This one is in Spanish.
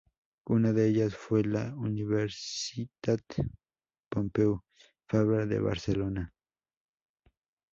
Una de ellas fue la Universitat Pompeu Fabra de Barcelona.